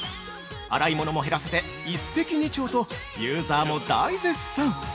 洗い物も減らせて一石二鳥とユーザーも大絶賛！